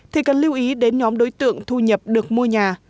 thì cần lưu ý đến nhóm đối tượng thu nhập được mua nhà